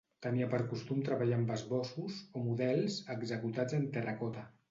Tenia per costum treballar amb esbossos, o models, executats en terracota.